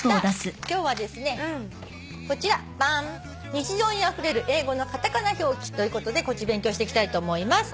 日常にあふれる英語のカタカナ表記ということで勉強していきたいと思います。